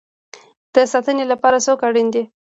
د ساتنې لپاره څوک اړین دی؟